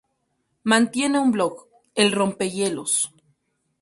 Mantiene un blog, "El rompehielos".